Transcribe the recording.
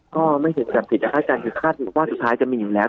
ก็ไม่ผิดไปจากคาดการณ์คือคาดว่าสุดท้ายจะมีอยู่แล้ว